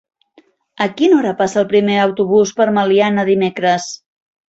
A quina hora passa el primer autobús per Meliana dimecres?